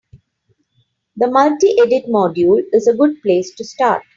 The multi-edit module is a good place to start.